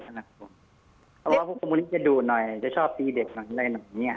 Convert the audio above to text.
ครับผมเพราะว่าผู้คลุมอันนี้จะดูหน่อยจะชอบตีเด็กหน่อยอย่างนี้ครับ